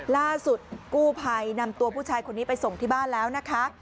ล่าสุดกู้ภัยนำตัวผู้ชายคนนี้ไปส่งที่บ้านแล้วนะคะ